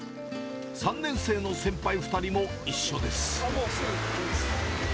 ３年生の先輩２人も一緒です。